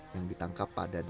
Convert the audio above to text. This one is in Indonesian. yang ditangkap pada dasarnya